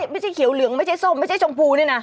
ไม่ใช่เขียวเหลืองไม่ใช่ส้มไม่ใช่ชมพูนี่นะ